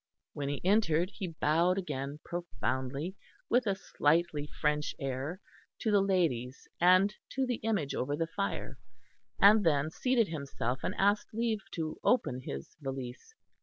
When he entered he bowed again profoundly, with a slightly French air, to the ladies and to the image over the fire; and then seated himself, and asked leave to open his valise.